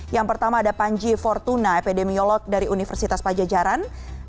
yang pertama ada panji fortuna epidemiolog dari universitas pajajaran